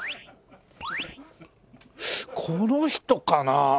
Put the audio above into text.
この人かな？